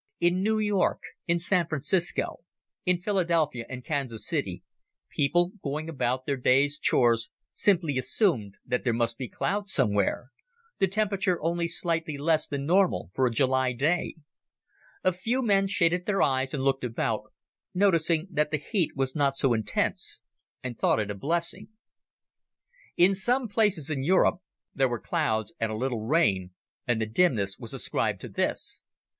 In New York, in San Francisco, in Philadelphia and Kansas City, people going about their day's chores simply assumed that there must be clouds somewhere the temperature only slightly less than normal for a July day. A few men shaded their eyes and looked about, noticing that the heat was not so intense and thought it a blessing. In some places in Europe, there were clouds and a little rain, and the dimness was ascribed to this.